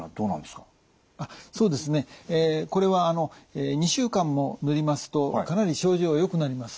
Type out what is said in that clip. そうですねこれは２週間も塗りますとかなり症状がよくなります。